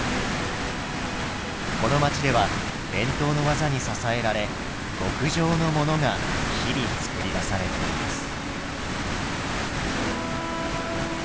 この街では伝統の技に支えられ極上のモノが日々作り出されています。